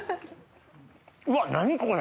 うわ何これ！